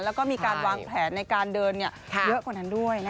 แล้วก็มีการวางแผนในการเดินเยอะกว่านั้นด้วย